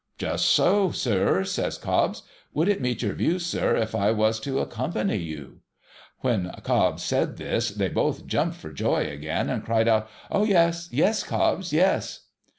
' Just so, sir,' says Cobbs. ' Would it meet your views, sir, if I was to accompany you ?' When Cobbs said this, they both jumped for joy again, and cried out, ' Oh, yes, yes, Cobbs ! Yes